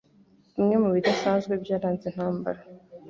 Bimwe mu bidasanzwe byaranze Intambara